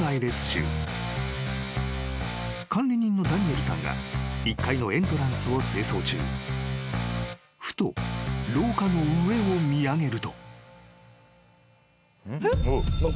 ［管理人のダニエルさんが１階のエントランスを清掃中ふと廊下の上を見上げると］